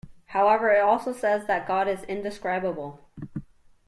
However, it also says that God is indescribable.